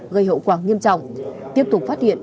gây hậu quả nghiêm trọng tiếp tục phát hiện